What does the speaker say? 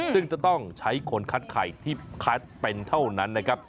ซึ่งจะต้องใช้คนคัดไข่ที่คัดเป็นเท่านั้นนะครับ